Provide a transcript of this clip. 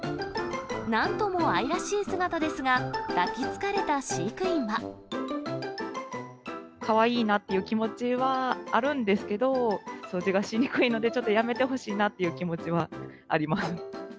なんとも愛らしい姿ですが、かわいいなっていう気持ちはあるんですけど、掃除がしにくいので、ちょっとやめてほしいなって気持ちはあります。